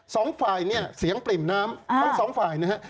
สองฝ่ายเนี่ยเสียงปริ่มน้ำทั้งสองฝ่ายนะฮะ